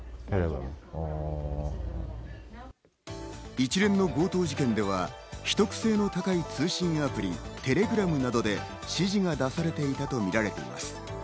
一連の強盗事件では、秘匿性の高い通信アプリ・テレグラムなどで指示が出されていたとみられています。